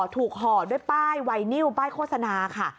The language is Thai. ห่อด้วยป้ายไวนิวป้ายโฆษณาค่ะ